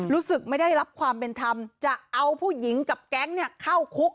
รู้สึกไม่ได้รับความเป็นธรรมจะเอาผู้หญิงกับแก๊งเข้าคุก